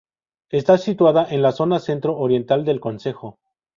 Está situada en la zona centro oriental del concejo.